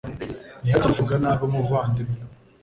ntihakagire uvuga nabi umuvandimwe .